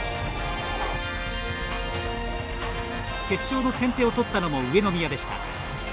決勝の先手を取ったのも上宮でした。